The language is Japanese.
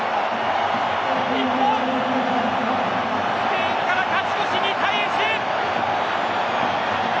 日本、スペインから勝ち越し２対１！